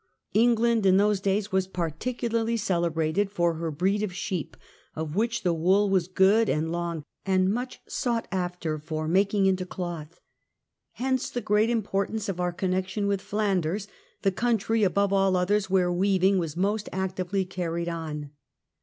England in those days was particularly celebrated for her breed of sheep, of which the w^ool was good and long and much Flanders sought after for making into cloth. Hence the great wooitrade importance of our connection with Flanders, the country above all others where weaving was most actively carried on.